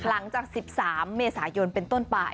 หลังจาก๑๓เมษายนเป็นต้นไป